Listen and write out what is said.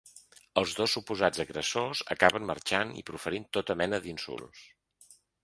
Els dos suposats agressors acaben marxant i proferint tota mena d’insults.